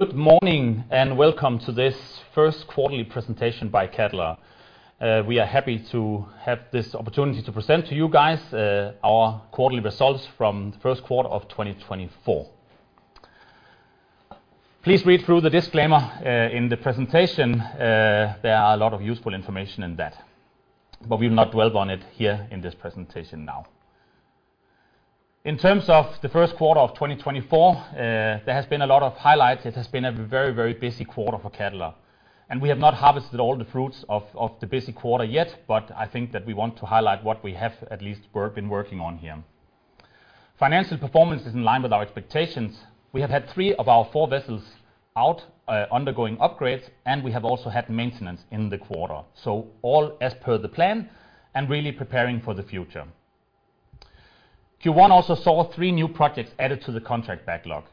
Good morning, and welcome to this first quarterly presentation by Cadeler. We are happy to have this opportunity to present to you guys, our quarterly results from the first quarter of 2024. Please read through the disclaimer, in the presentation. There are a lot of useful information in that, but we will not dwell on it here in this presentation now. In terms of the first quarter of 2024, there has been a lot of highlights. It has been a very, very busy quarter for Cadeler, and we have not harvested all the fruits of, of the busy quarter yet, but I think that we want to highlight what we have at least we're been working on here. Financial performance is in line with our expectations. We have had three of our four vessels out, undergoing upgrades, and we have also had maintenance in the quarter, so all as per the plan and really preparing for the future. Q1 also saw three new projects added to the contract backlog.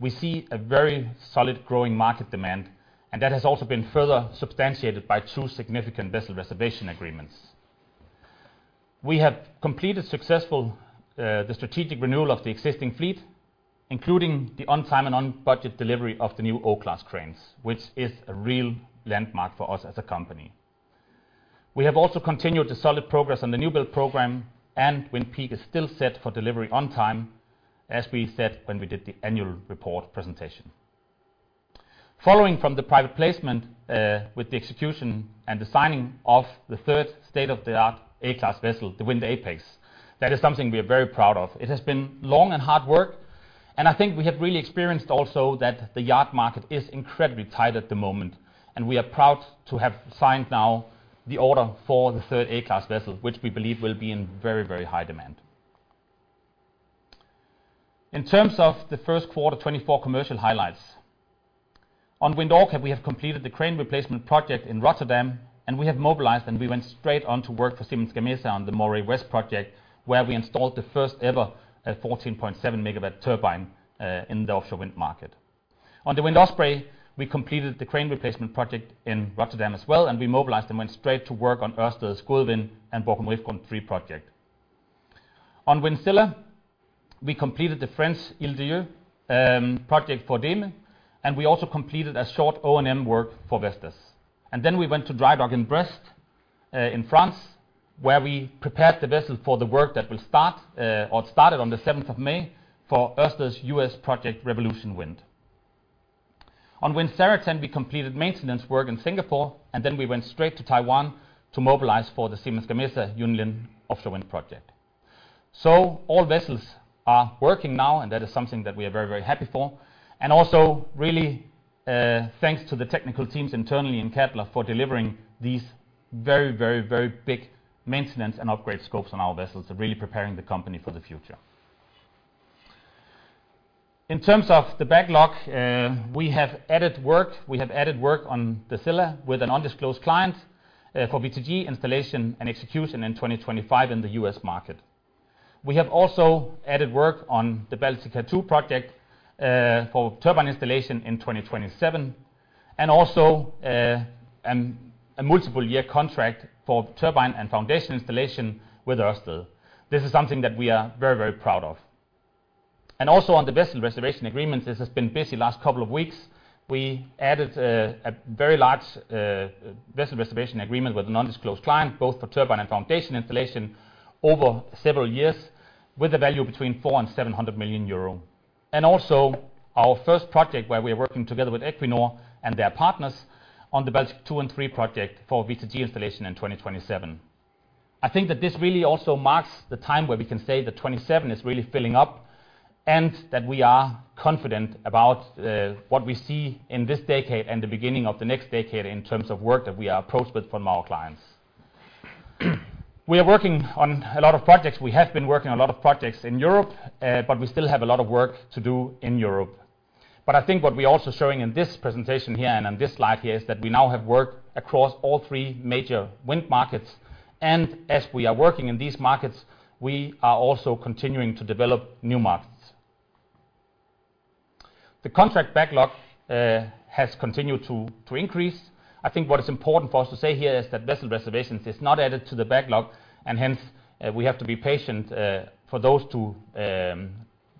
We see a very solid growing market demand, and that has also been further substantiated by two significant vessel reservation agreements. We have completed successful, the strategic renewal of the existing fleet, including the on time and on budget delivery of the new O-class cranes, which is a real landmark for us as a company. We have also continued the solid progress on the new build program, and Wind Peak is still set for delivery on time, as we said when we did the annual report presentation. Following from the private placement, with the execution and the signing of the third state-of-the-art A-class vessel, the Wind Apex, that is something we are very proud of. It has been long and hard work, and I think we have really experienced also that the yard market is incredibly tight at the moment, and we are proud to have signed now the order for the third A-class vessel, which we believe will be in very, very high demand. In terms of the first quarter 2024 commercial highlights, on Wind Orca, we have completed the crane replacement project in Rotterdam, and we have mobilized, and we went straight on to work for Siemens Gamesa on the Moray West project, where we installed the first ever 14.7-MW turbine in the offshore wind market. On the Wind Osprey, we completed the crane replacement project in Rotterdam as well, and we mobilized and went straight to work on Ørsted's Gode Wind and Borkum Riffgrund project. On Wind Scylla, we completed the French Île d'Yeu project for Deme, and we also completed a short O&M work for Vestas. And then we went to dry dock in Brest in France, where we prepared the vessel for the work that will start or started on the seventh of May for Ørsted's US Project Revolution Wind. On Wind Zaratan, we completed maintenance work in Singapore, and then we went straight to Taiwan to mobilize for the Siemens Gamesa Yunlin offshore wind project. So all vessels are working now, and that is something that we are very, very happy for. Also really, thanks to the technical teams internally in Cadeler for delivering these very, very, very big maintenance and upgrade scopes on our vessels, really preparing the company for the future. In terms of the backlog, we have added work. We have added work on the Wind Scylla with an undisclosed client, for WTG installation and execution in 2025 in the US market. We have also added work on the Baltica 2 project, for turbine installation in 2027, and also, a multiple year contract for turbine and foundation installation with Ørsted. This is something that we are very, very proud of. And also on the vessel reservation agreement, this has been busy last couple of weeks. We added a very large vessel reservation agreement with an undisclosed client, both for turbine and foundation installation over several years, with a value between 400 million and 700 million euro. Also our first project, where we are working together with Equinor and their partners on the Bałtyk 2 and 3 project for WTG installation in 2027. I think that this really also marks the time where we can say that 2027 is really filling up, and that we are confident about what we see in this decade and the beginning of the next decade in terms of work that we are approached with from our clients. We are working on a lot of projects. We have been working on a lot of projects in Europe, but we still have a lot of work to do in Europe. But I think what we're also showing in this presentation here and on this slide here, is that we now have work across all three major wind markets, and as we are working in these markets, we are also continuing to develop new markets. The contract backlog has continued to increase. I think what is important for us to say here is that vessel reservations is not added to the backlog, and hence, we have to be patient for those to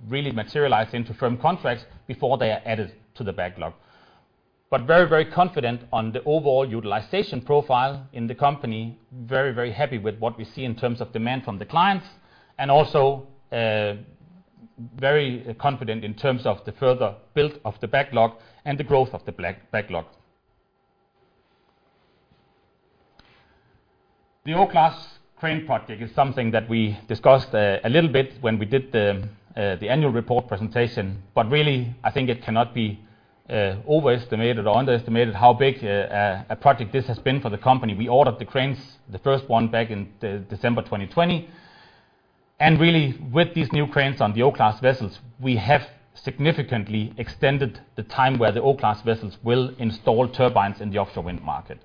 really materialize into firm contracts before they are added to the backlog. But very, very confident on the overall utilization profile in the company. Very, very happy with what we see in terms of demand from the clients, and also, very confident in terms of the further build of the backlog and the growth of the backlog. The O-class crane project is something that we discussed, a little bit when we did the, the annual report presentation, but really, I think it cannot be, overestimated or underestimated how big a, a project this has been for the company. We ordered the cranes, the first one back in December 2020, and really, with these new cranes on the O-class vessels, we have significantly extended the time where the O-class vessels will install turbines in the offshore wind market.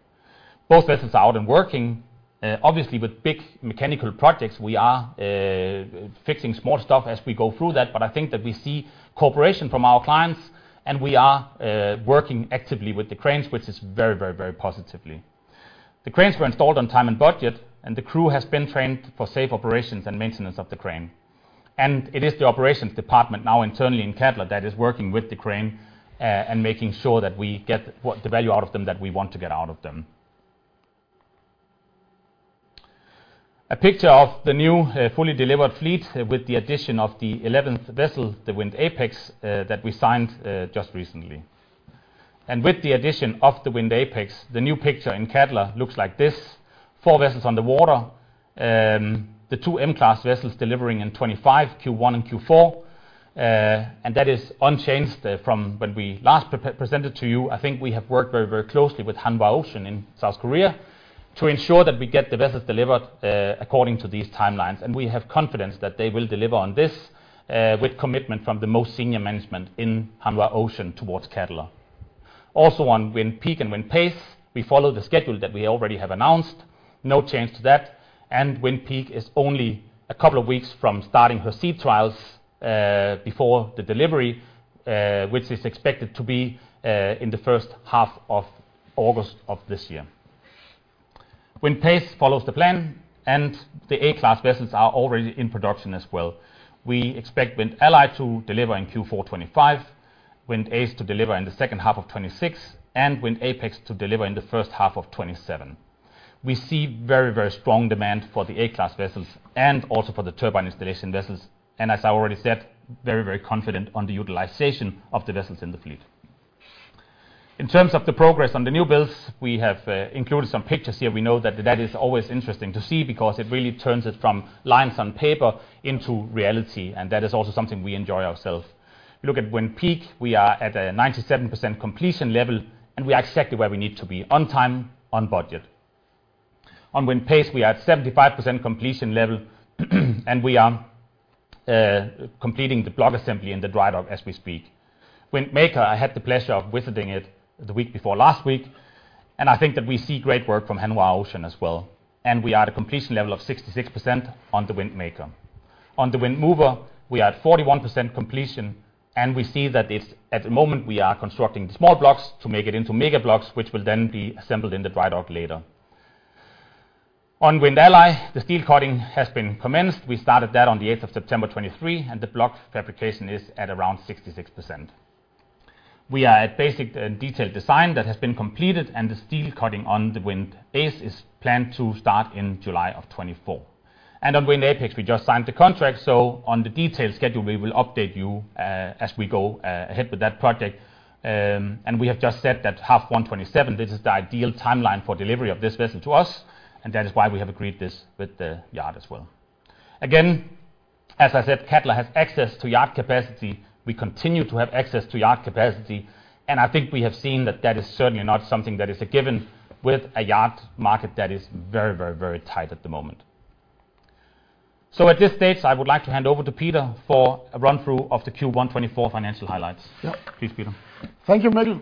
Both vessels are out and working. Obviously, with big mechanical projects, we are fixing small stuff as we go through that, but I think that we see cooperation from our clients, and we are working actively with the cranes, which is very, very, very positively. The cranes were installed on time and budget, and the crew has been trained for safe operations and maintenance of the crane. It is the operations department now internally in Cadeler that is working with the crane, and making sure that we get what the value out of them, that we want to get out of them. A picture of the new, fully delivered fleet with the addition of the eleventh vessel, the Wind Apex, that we signed just recently. And with the addition of the Wind Apex, the new picture in Cadeler looks like this: 4 vessels on the water, the two M-class vessels delivering in 2025, Q1 and Q4. And that is unchanged from when we last pre-presented to you. I think we have worked very, very closely with Hanwha Ocean in South Korea, to ensure that we get the vessels delivered, according to these timelines. And we have confidence that they will deliver on this, with commitment from the most senior management in Hanwha Ocean towards Cadeler. Also, on Wind Peak and Wind Pace, we follow the schedule that we already have announced. No change to that, and Wind Peak is only a couple of weeks from starting her sea trials, before the delivery, which is expected to be, in the first half of August of this year. Wind Pace follows the plan, and the A-class vessels are already in production as well. We expect Wind Ally to deliver in Q4 2025, Wind Ace to deliver in the second half of 2026, and Wind Apex to deliver in the first half of 2027. We see very, very strong demand for the A-class vessels, and also for the turbine installation vessels, and as I already said, very, very confident on the utilization of the vessels in the fleet. In terms of the progress on the new builds, we have included some pictures here. We know that that is always interesting to see, because it really turns it from lines on paper into reality, and that is also something we enjoy ourselves. If you look at Wind Peak, we are at a 97% completion level, and we are exactly where we need to be, on time, on budget. On Wind Pace, we are at 75% completion level, and we are completing the block assembly in the dry dock as we speak. Wind Maker, I had the pleasure of visiting it the week before last week, and I think that we see great work from Hanwha Ocean as well, and we are at a completion level of 66% on the Wind Maker. On the Wind Mover, we are at 41% completion, and we see that at the moment, we are constructing small blocks to make it into mega blocks, which will then be assembled in the dry dock later. On Wind Ally, the steel cutting has been commenced. We started that on the eighth of September 2023, and the block fabrication is at around 66%. We are at basic and detailed design that has been completed, and the steel cutting on the Wind Ace is planned to start in July 2024. And on Wind Apex, we just signed the contract, so on the detailed schedule, we will update you as we go ahead with that project. And we have just said that H1 2027, this is the ideal timeline for delivery of this vessel to us, and that is why we have agreed this with the yard as well. Again, as I said, Cadeler has access to yard capacity. We continue to have access to yard capacity, and I think we have seen that that is certainly not something that is a given with a yard market that is very, very, very tight at the moment. So at this stage, I would like to hand over to Peter for a run-through of the Q1 2024 financial highlights. Yep. Please, Peter. Thank you, Mikkel.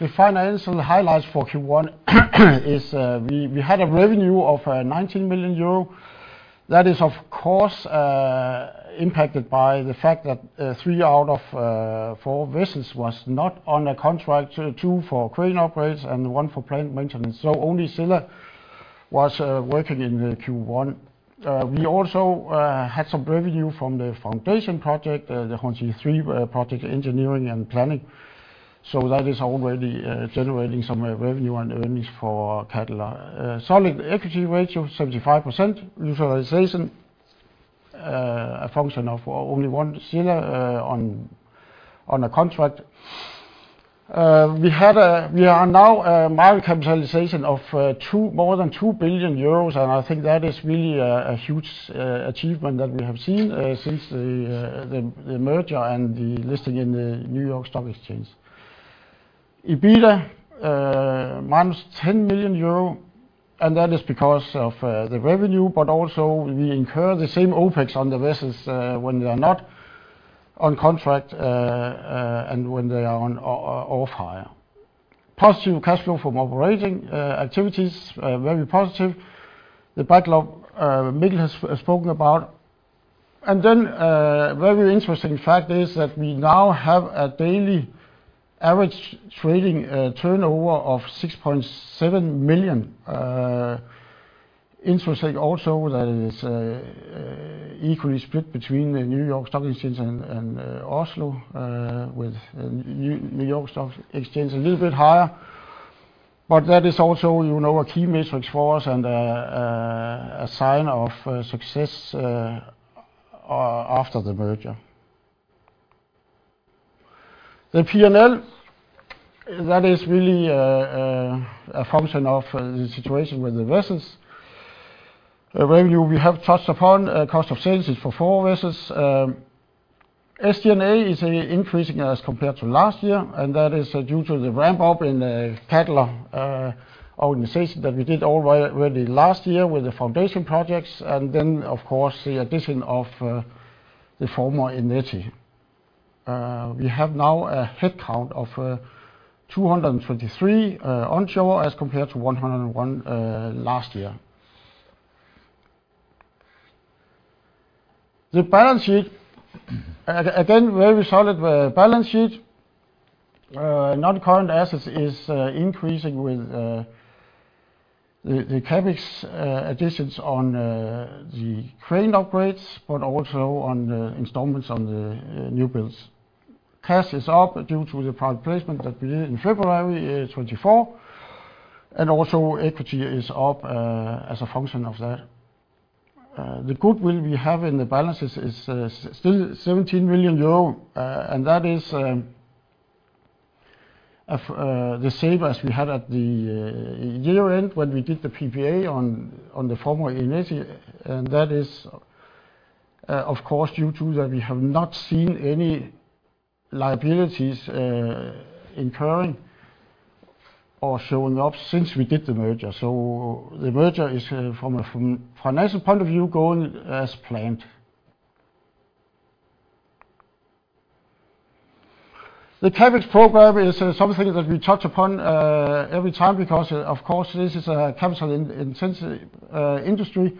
The financial highlights for Q1 is we had a revenue of 19 million euro. That is, of course, impacted by the fact that three out of four vessels was not on a contract, two for crane operates and one for plant maintenance, so only Scylla was working in the Q1. We also had some revenue from the foundation project, the Hornsea Three project engineering and planning, so that is already generating some revenue and earnings for Cadeler. Solid equity ratio, 75% utilization, a function of only one Scylla on a contract. We are now a market capitalization of more than 2 billion euros, and I think that is really a huge achievement that we have seen since the merger and the listing in the New York Stock Exchange. EBITDA minus 10 million euro, and that is because of the revenue, but also we incur the same OpEx on the vessels when they are not on contract, and when they are on off-hire. Positive cash flow from operating activities, very positive. The backlog Mikkel has spoken about. And then, very interesting fact is that we now have a daily average trading turnover of 6.7 million. Interesting also that it is equally split between the New York Stock Exchange and Oslo, with New York Stock Exchange a little bit higher. But that is also, you know, a key metric for us and a sign of success after the merger. The P&L, that is really a function of the situation with the vessels. Revenue, we have touched upon, cost of sales is for four vessels. SG&A is increasing as compared to last year, and that is due to the ramp-up in the Cadeler organization that we did already last year with the foundation projects, and then, of course, the addition of the former Eneti. We have now a headcount of 223 onshore, as compared to 101 last year. The balance sheet, again, very solid balance sheet. Non-current assets is increasing with the CapEx additions on the crane upgrades, but also on the installments on the new builds. Cash is up due to the private placement that we did in February 2024, and also equity is up as a function of that. The goodwill we have in the balances is still 17 million euro, and that is of the same as we had at the year-end when we did the PPA on the former Eneti, and that is, of course, due to that we have not seen any liabilities incurring or showing up since we did the merger. So the merger is from a financial point of view, going as planned. The CapEx program is something that we touch upon every time, because, of course, this is a capital-intensive industry.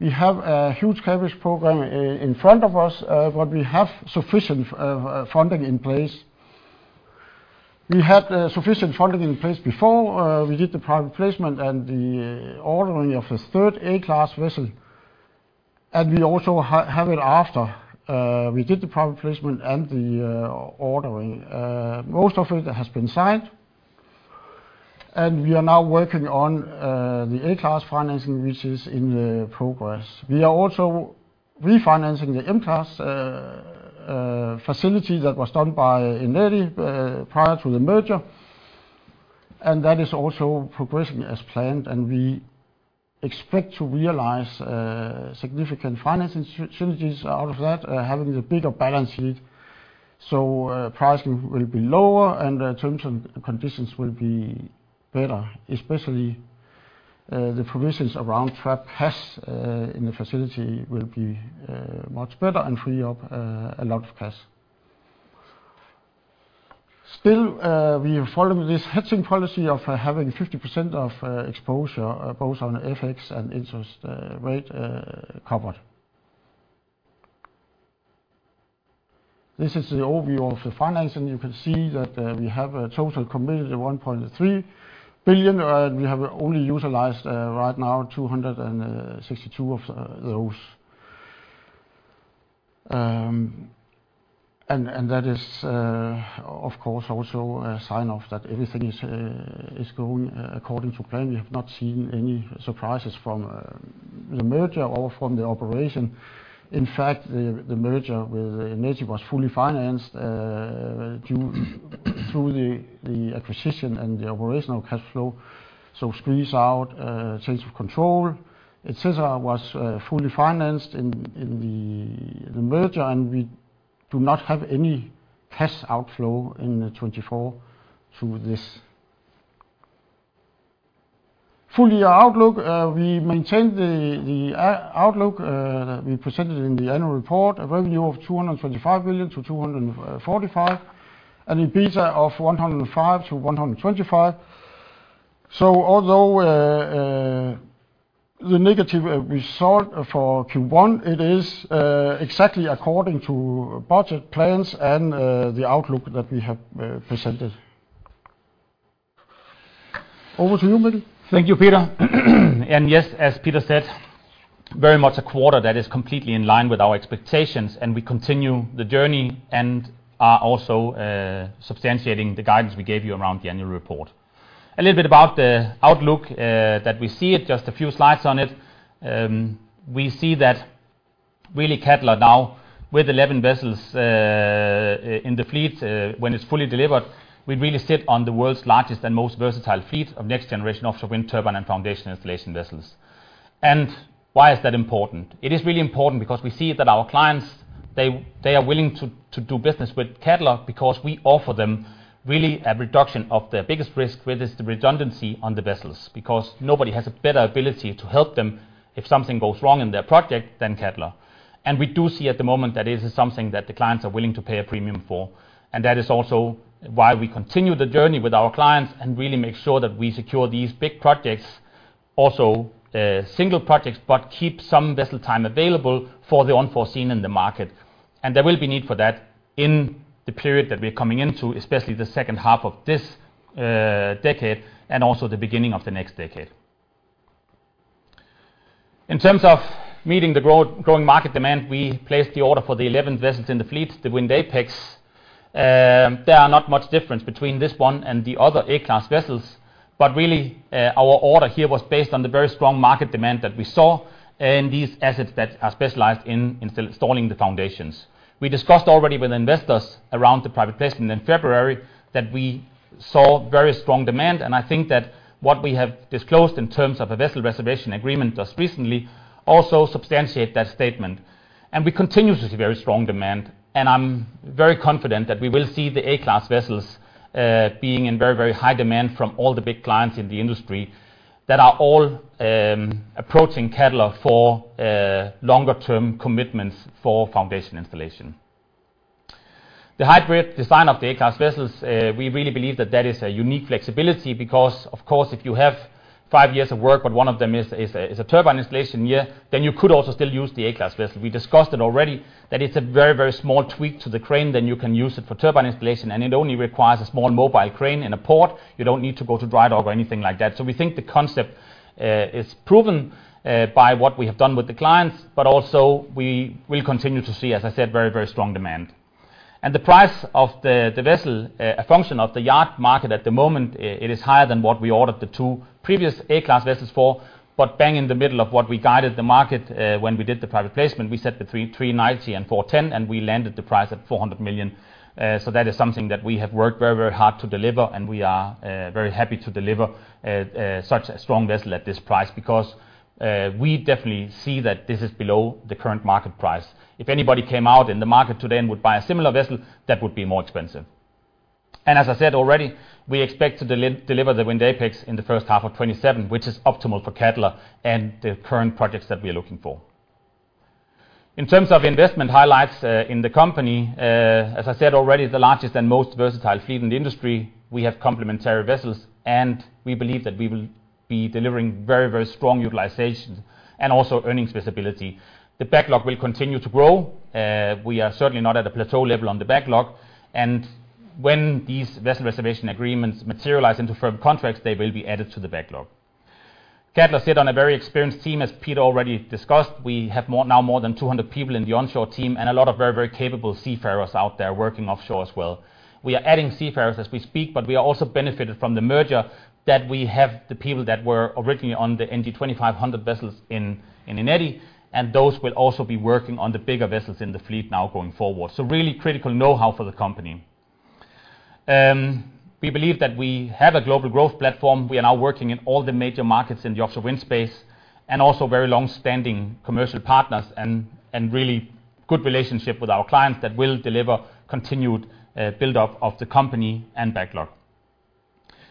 We have a huge CapEx program in front of us, but we have sufficient funding in place. We had sufficient funding in place before we did the private placement and the ordering of the third A-class vessel, and we also have it after we did the private placement and the ordering. Most of it has been signed, and we are now working on the A-class financing, which is in the progress. We are also refinancing the M-class facility that was done by Eneti prior to the merger, and that is also progressing as planned, and we expect to realize significant financing synergies out of that, having a bigger balance sheet. So, pricing will be lower, and the terms and conditions will be better, especially, the provisions around trap cash, in the facility will be, much better and free up, a lot of cash. Still, we follow this hedging policy of having 50% of, exposure, both on FX and interest, rate, covered. This is the overview of the financing. You can see that, we have a total committed 1.3 billion, we have only utilized, right now 262 of, those. And that is, of course, also a sign of that everything is, going according to plan. We have not seen any surprises from, the merger or from the operation. In fact, the merger with Eneti was fully financed due through the acquisition and the operational cash flow. So squeeze out, change of control, et cetera, was fully financed in the merger, and we do not have any cash outflow in 2024 through this. Full year outlook, we maintained the outlook we presented in the annual report, a revenue of 235 billion-245 billion, and EBITDA of 105 million-125 million. So although the negative result for Q1, it is exactly according to budget plans and the outlook that we have presented. Over to you, Mikkel. Thank you, Peter. And yes, as Peter said, very much a quarter that is completely in line with our expectations, and we continue the journey and are also substantiating the guidance we gave you around the annual report. A little bit about the outlook that we see it, just a few slides on it. We see that really Cadeler now, with 11 vessels in the fleet, when it's fully delivered, we really sit on the world's largest and most versatile fleet of next-generation offshore wind turbine and foundation installation vessels. And why is that important? It is really important because we see that our clients, they are willing to do business with Cadeler because we offer them really a reduction of their biggest risk, which is the redundancy on the vessels, because nobody has a better ability to help them if something goes wrong in their project than Cadeler. We do see at the moment that this is something that the clients are willing to pay a premium for, and that is also why we continue the journey with our clients and really make sure that we secure these big projects, also, single projects, but keep some vessel time available for the unforeseen in the market. There will be need for that in the period that we're coming into, especially the second half of this decade, and also the beginning of the next decade. In terms of meeting the growing market demand, we placed the order for the eleventh vessels in the fleet, the Wind Apex. There are not much difference between this one and the other A-class vessels, but really, our order here was based on the very strong market demand that we saw in these assets that are specialized in installing the foundations. We discussed already with investors around the private placement in February, that we saw very strong demand, and I think that what we have disclosed in terms of a vessel reservation agreement just recently also substantiate that statement. We continue to see very strong demand, and I'm very confident that we will see the A-class vessels being in very, very high demand from all the big clients in the industry, that are all approaching Cadeler for longer term commitments for foundation installation.... The hybrid design of the A-class vessels, we really believe that that is a unique flexibility because, of course, if you have five years of work, but one of them is, is a, is a turbine installation year, then you could also still use the A-class vessel. We discussed it already, that it's a very, very small tweak to the crane, then you can use it for turbine installation, and it only requires a small mobile crane in a port. You don't need to go to dry dock or anything like that. So we think the concept is proven by what we have done with the clients, but also we will continue to see, as I said, very, very strong demand. The price of the vessel, a function of the yard market at the moment, it is higher than what we ordered the two previous A-class vessels for, but bang in the middle of what we guided the market when we did the private placement. We set between 390 million and 410 million, and we landed the price at 400 million. So that is something that we have worked very, very hard to deliver, and we are very happy to deliver such a strong vessel at this price, because we definitely see that this is below the current market price. If anybody came out in the market today and would buy a similar vessel, that would be more expensive. And as I said already, we expect to deliver the Wind Apex in the first half of 2027, which is optimal for Cadeler and the current projects that we are looking for. In terms of investment highlights, in the company, as I said already, the largest and most versatile fleet in the industry, we have complementary vessels, and we believe that we will be delivering very, very strong utilization and also earnings visibility. The backlog will continue to grow. We are certainly not at a plateau level on the backlog, and when these vessel reservation agreements materialize into firm contracts, they will be added to the backlog. Cadeler sit on a very experienced team, as Peter already discussed. We have now more than 200 people in the onshore team, and a lot of very, very capable seafarers out there working offshore as well. We are adding seafarers as we speak, but we are also benefited from the merger that we have the people that were originally on the NG-2500 vessels in Eneti, and those will also be working on the bigger vessels in the fleet now going forward. So really critical know-how for the company. We believe that we have a global growth platform. We are now working in all the major markets in the offshore wind space, and also very long-standing commercial partners and really good relationship with our clients that will deliver continued buildup of the company and backlog.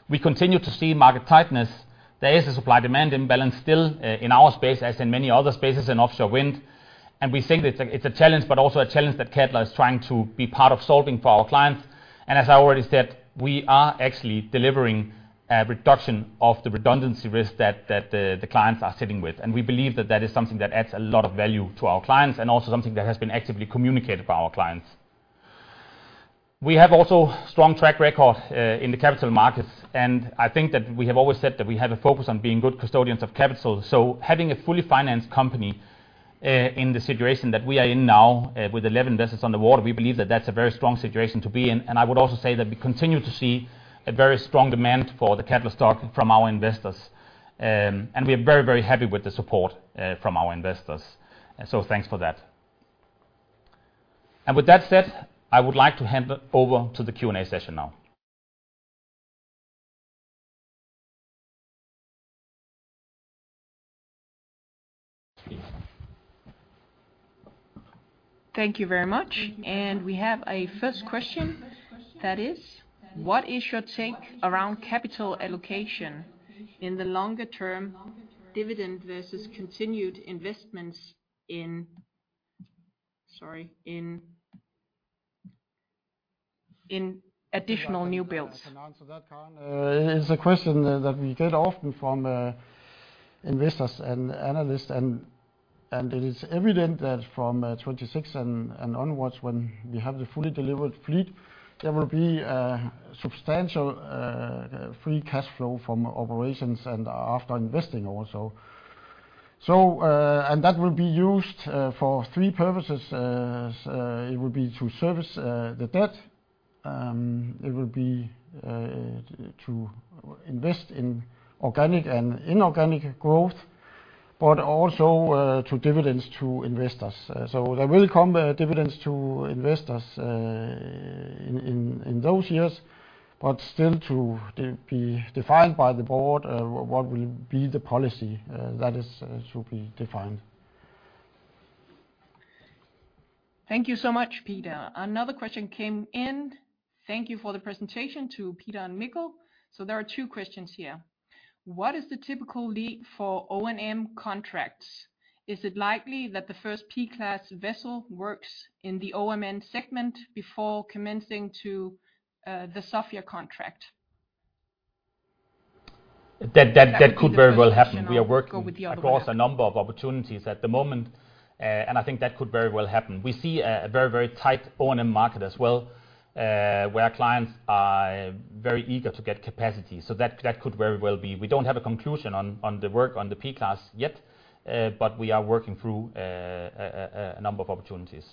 We continue to see market tightness. There is a supply-demand imbalance still in our space, as in many other spaces in offshore wind, and we think that it's a challenge, but also a challenge that Cadeler is trying to be part of solving for our clients. As I already said, we are actually delivering a reduction of the redundancy risk that the clients are sitting with. We believe that that is something that adds a lot of value to our clients, and also something that has been actively communicated by our clients. We have also strong track record in the capital markets, and I think that we have always said that we have a focus on being good custodians of capital. Having a fully financed company in the situation that we are in now with 11 vessels on the water, we believe that that's a very strong situation to be in. I would also say that we continue to see a very strong demand for the Cadeler stock from our investors. We are very, very happy with the support from our investors, and so thanks for that. With that said, I would like to hand over to the Q&A session now. Thank you very much. We have a first question that is: What is your take around capital allocation in the longer term dividend versus continued investments in, sorry, in additional new builds? I can answer that, Karen. It is a question that we get often from investors and analysts, and it is evident that from 2026 and onwards, when we have the fully delivered fleet, there will be substantial free cash flow from operations and after investing also. So, that will be used for three purposes. It would be to service the debt, it would be to invest in organic and inorganic growth, but also to dividends to investors. So there will come dividends to investors in those years, but still to be defined by the board what will be the policy that is to be defined. Thank you so much, Peter. Another question came in. Thank you for the presentation to Peter and Mikkel. So there are two questions here: What is the typical lead for O&M contracts? Is it likely that the first P-class vessel works in the O&M segment before commencing to the Sofia contract? That could very well happen. I'll go with you on that. We are working across a number of opportunities at the moment, and I think that could very well happen. We see a very, very tight O&M market as well, where clients are very eager to get capacity, so that could very well be. We don't have a conclusion on the work on the P-class yet, but we are working through a number of opportunities.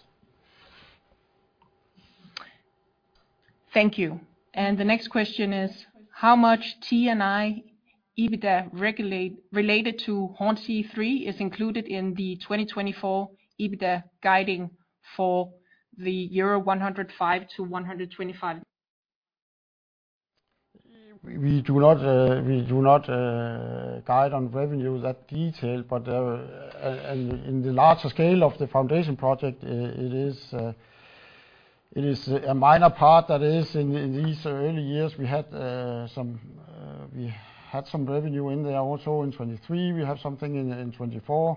Thank you. The next question is: How much T&I EBITDA related to Hornsea 3 is included in the 2024 EBITDA guidance for EUR 105-125? We do not guide on revenue that detail, but in the larger scale of the foundation project, it is a minor part that is in these early years. We had some revenue in there also in 2023. We have something in 2024.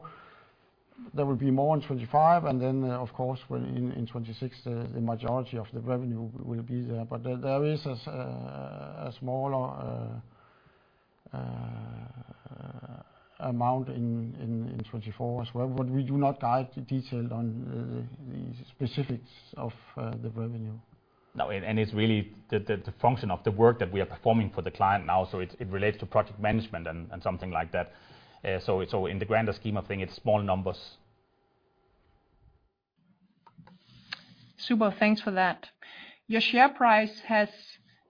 There will be more in 2025, and then of course, when in 2026, the majority of the revenue will be there. But there is a smaller amount in 2024 as well, but we do not guide the detail on the specifics of the revenue. No, and it's really the function of the work that we are performing for the client now, so it relates to project management and something like that. So, in the grander scheme of things, it's small numbers. Super, thanks for that. Your share price has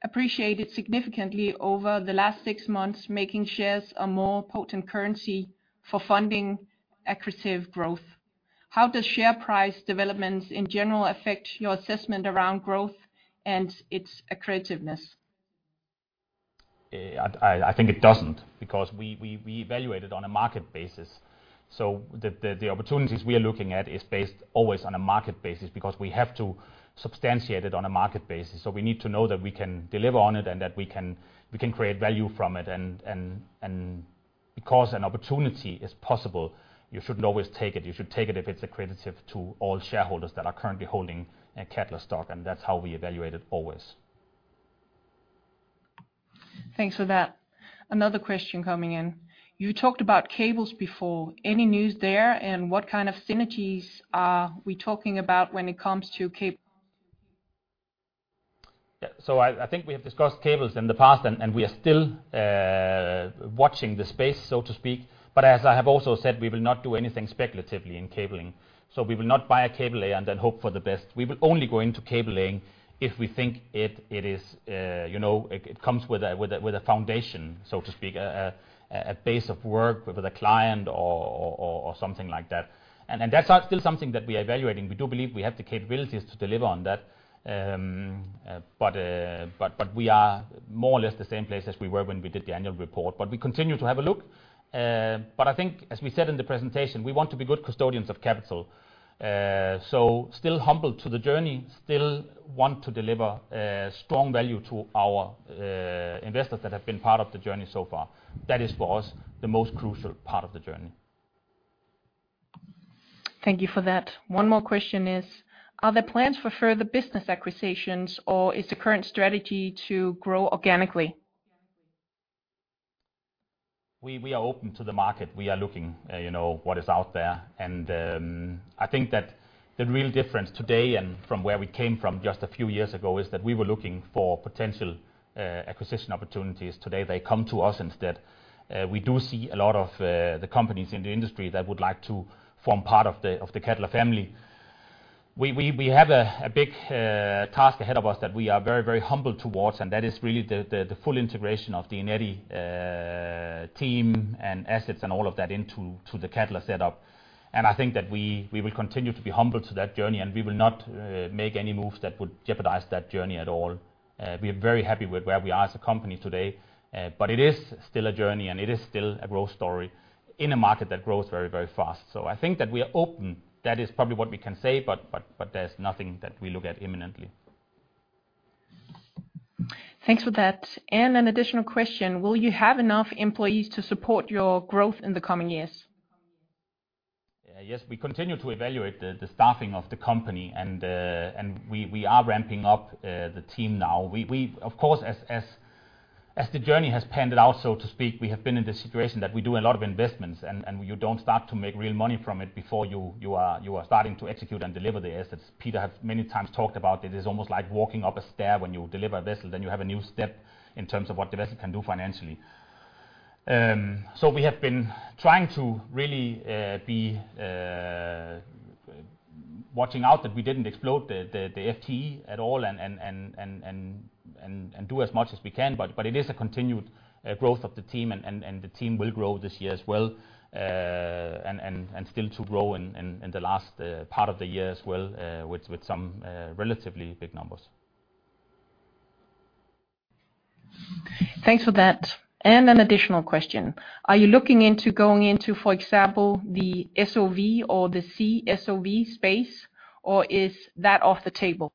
appreciated significantly over the last six months, making shares a more potent currency for funding aggressive growth. How does share price developments in general affect your assessment around growth and its aggressiveness? I think it doesn't, because we evaluate it on a market basis. So the opportunities we are looking at is based always on a market basis, because we have to substantiate it on a market basis. So we need to know that we can deliver on it, and that we can create value from it. And because an opportunity is possible, you shouldn't always take it. You should take it if it's accretive to all shareholders that are currently holding a Cadeler stock, and that's how we evaluate it always. Thanks for that. Another question coming in: You talked about cables before. Any news there, and what kind of synergies are we talking about when it comes to cable? Yeah, so I think we have discussed cables in the past, and we are still watching the space, so to speak. But as I have also said, we will not do anything speculatively in cabling. So we will not buy a cable layer and then hope for the best. We will only go into cabling if we think it is, you know, it comes with a foundation, so to speak, a base of work with a client or something like that. And that's still something that we are evaluating. We do believe we have the capabilities to deliver on that. But we are more or less the same place as we were when we did the annual report. But we continue to have a look. But I think, as we said in the presentation, we want to be good custodians of capital. So still humble to the journey, still want to deliver strong value to our investors that have been part of the journey so far. That is, for us, the most crucial part of the journey. Thank you for that. One more question is, are there plans for further business acquisitions, or is the current strategy to grow organically? We are open to the market. We are looking, you know, what is out there. And, I think that the real difference today and from where we came from just a few years ago, is that we were looking for potential acquisition opportunities. Today, they come to us instead. We do see a lot of the companies in the industry that would like to form part of the Cadeler family. We have a big task ahead of us that we are very, very humble towards, and that is really the full integration of the Eneti team and assets and all of that into the Cadeler setup. I think that we will continue to be humble to that journey, and we will not make any moves that would jeopardize that journey at all. We are very happy with where we are as a company today. But it is still a journey, and it is still a growth story in a market that grows very, very fast. So I think that we are open. That is probably what we can say, but there's nothing that we look at imminently. Thanks for that. An additional question: Will you have enough employees to support your growth in the coming years? Yes, we continue to evaluate the staffing of the company, and we are ramping up the team now. Of course, as the journey has panned out, so to speak, we have been in the situation that we do a lot of investments, and you don't start to make real money from it before you are starting to execute and deliver the assets. Peter have many times talked about it. It is almost like walking up a stair when you deliver a vessel, then you have a new step in terms of what the vessel can do financially. So we have been trying to really be watching out that we didn't explode the FTE at all and do as much as we can, but it is a continued growth of the team, and the team will grow this year as well. And still to grow in the last part of the year as well, with some relatively big numbers. Thanks for that. An additional question: Are you looking into going into, for example, the SOV or the CSOV space, or is that off the table?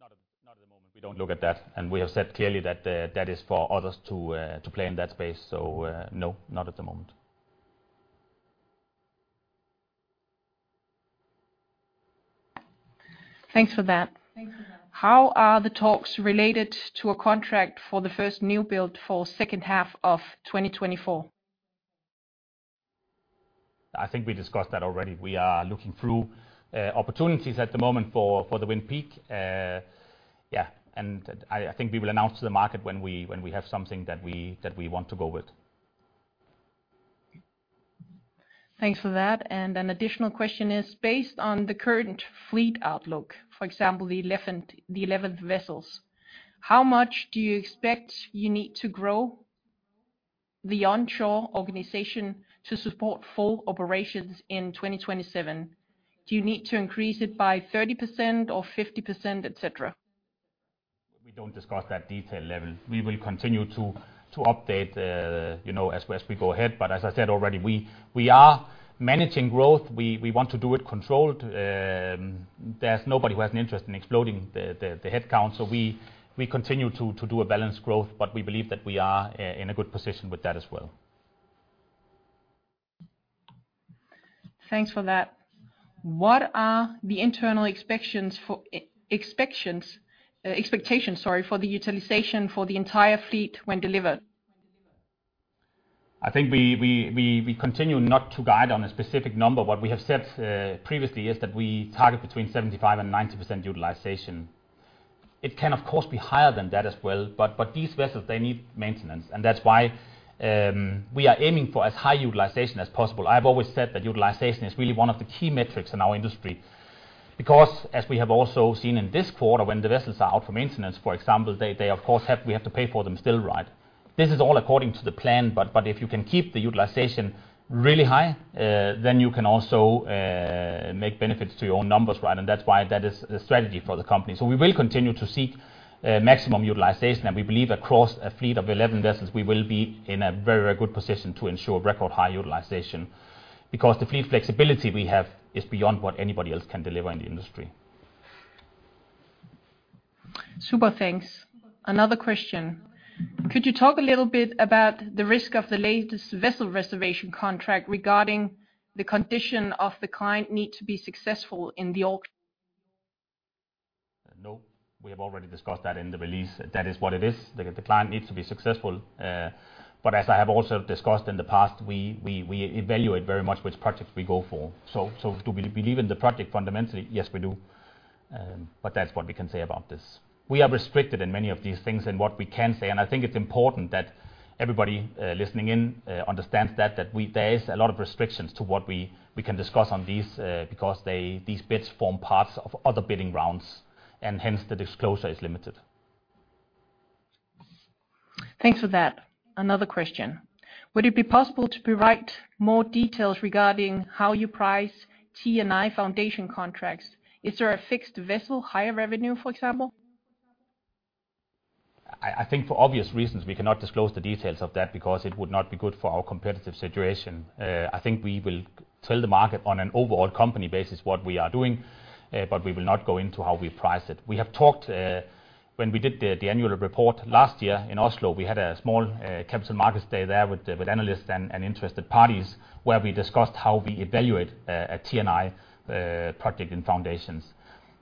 Not at the moment. We don't look at that, and we have said clearly that that is for others to play in that space. So, no, not at the moment. Thanks for that. How are the talks related to a contract for the first new build for second half of 2024? I think we discussed that already. We are looking through opportunities at the moment for, for the Wind Peak. Yeah, and I, I think we will announce to the market when we, when we have something that we, that we want to go with. Thanks for that. An additional question is: Based on the current fleet outlook, for example, the 11, the 11 vessels, how much do you expect you need to grow the onshore organization to support full operations in 2027? Do you need to increase it by 30% or 50%, etc.? We don't discuss that detail level. We will continue to update, you know, as we go ahead, but as I said already, we are managing growth. We want to do it controlled. There's nobody who has an interest in exploding the headcount, so we continue to do a balanced growth, but we believe that we are in a good position with that as well. Thanks for that. What are the internal expectations, sorry, for the utilization for the entire fleet when delivered? I think we continue not to guide on a specific number. What we have said previously is that we target between 75% and 90% utilization. It can, of course, be higher than that as well, but these vessels, they need maintenance, and that's why we are aiming for as high utilization as possible. I've always said that utilization is really one of the key metrics in our industry, because as we have also seen in this quarter, when the vessels are out for maintenance, for example, they of course we have to pay for them still, right? This is all according to the plan, but if you can keep the utilization really high, then you can also make benefits to your own numbers, right? And that's why that is the strategy for the company. So we will continue to seek maximum utilization, and we believe across a fleet of 11 vessels, we will be in a very, very good position to ensure record high utilization. Because the fleet flexibility we have is beyond what anybody else can deliver in the industry. Super, thanks. Another question: Could you talk a little bit about the risk of the latest vessel reservation contract regarding the condition of the client need to be successful in the- No, we have already discussed that in the release. That is what it is. The client needs to be successful, but as I have also discussed in the past, we evaluate very much which projects we go for. So do we believe in the project fundamentally? Yes, we do. But that's what we can say about this. We are restricted in many of these things in what we can say, and I think it's important that everybody listening in understands that there is a lot of restrictions to what we can discuss on these, because these bids form parts of other bidding rounds, and hence, the disclosure is limited. Thanks for that. Another question: Would it be possible to provide more details regarding how you price T&I foundation contracts? Is there a fixed vessel, higher revenue, for example? I think for obvious reasons, we cannot disclose the details of that because it would not be good for our competitive situation. I think we will tell the market on an overall company basis what we are doing, but we will not go into how we price it. We have talked, when we did the annual report last year in Oslo, we had a small capital markets day there with analysts and interested parties, where we discussed how we evaluate a T&I project in foundations.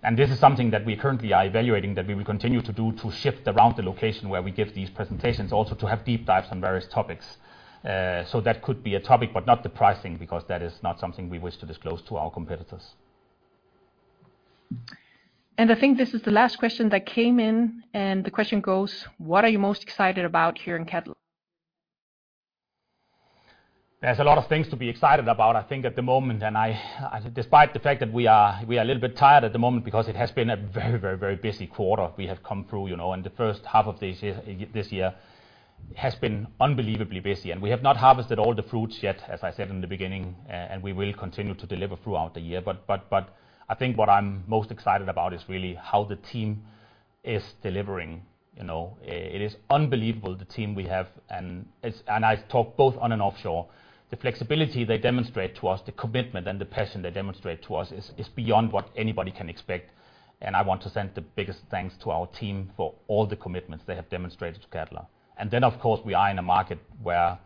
And this is something that we currently are evaluating, that we will continue to do, to shift around the location where we give these presentations, also to have deep dives on various topics. So that could be a topic, but not the pricing, because that is not something we wish to disclose to our competitors. I think this is the last question that came in, and the question goes: What are you most excited about here in Cadeler? There's a lot of things to be excited about, I think, at the moment, and I, despite the fact that we are, we are a little bit tired at the moment because it has been a very, very, very busy quarter, we have come through, you know, and the first half of this year, this year has been unbelievably busy, and we have not harvested all the fruits yet, as I said in the beginning, and we will continue to deliver throughout the year. But, but, but I think what I'm most excited about is really how the team is delivering. You know, it is unbelievable, the team we have, and it's, and I talk both on and offshore. The flexibility they demonstrate to us, the commitment and the passion they demonstrate to us is beyond what anybody can expect, and I want to send the biggest thanks to our team for all the commitments they have demonstrated to Cadeler. Then, of course, we are in a market where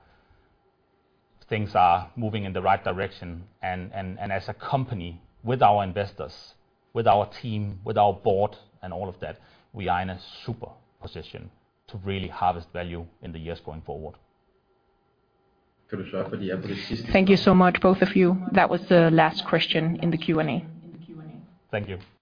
things are moving in the right direction, and as a company, with our investors, with our team, with our board and all of that, we are in a super position to really harvest value in the years going forward. Thank you so much, both of you. That was the last question in the Q&A. Thank you.